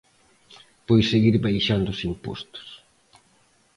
Pois seguir baixando os impostos.